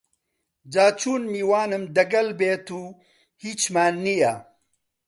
جاچون میوانم دەگەل بێت و هیچمان نییە